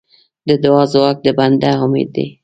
د دعا ځواک د بنده امید دی.